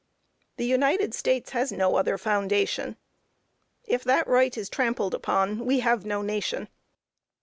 The United States has no other foundation. If that right is trampled upon, we have no nation.